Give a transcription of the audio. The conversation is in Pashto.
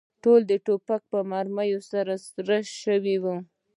ټول د ټوپک په مرمۍ سوري شوي و.